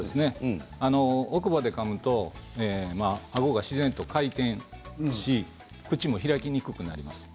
奥歯でかむとあごが自然と回転し口も開きにくくなります。